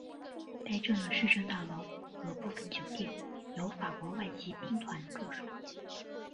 该镇的市政大楼和部分酒店有法国外籍兵团驻守。